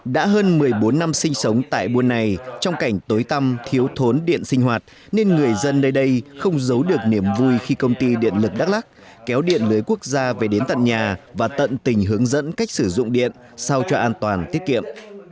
đã hơn một mươi bốn năm sinh sống tại buôn này trong cảnh tối tăm thiếu thốn điện sinh hoạt nên người dân nơi đây không giấu được niềm vui khi công ty điện lực đắk lắc kéo điện lưới quốc gia về đến tận nhà và tận tình hướng dẫn cách sử dụng điện sao cho an toàn tiết kiệm